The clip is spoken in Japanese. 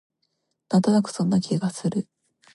なんとなくそんな気がする